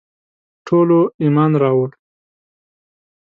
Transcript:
ټولو ایمان راووړ.